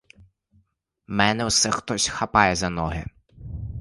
Мене все хтось хапає за ноги.